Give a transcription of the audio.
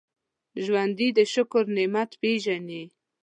ژوندي د شکر نعمت پېژني